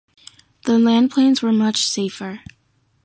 The landplanes were much safer.